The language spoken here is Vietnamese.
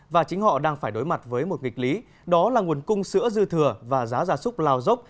và chính họ đang phải đối mặt với một nghịch lý đó là nguồn cung sữa dư thừa và giá gia súc lao dốc